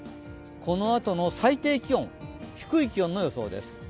このあとの最低気温低い気温の予想です。